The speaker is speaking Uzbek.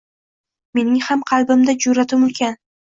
Mening ham qalbimda jur’atim ulkan.